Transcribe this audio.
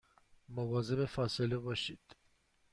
مواظب فاصله باشید